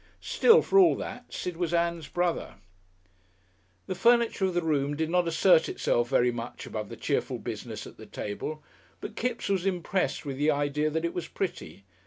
Still, for all that, Sid was Ann's brother. The furniture of the room did not assert itself very much above the cheerful business at the table, but Kipps was impressed with the idea that it was pretty.